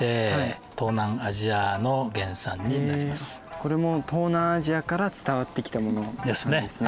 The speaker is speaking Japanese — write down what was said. これも東南アジアから伝わってきたものなんですね。ですね。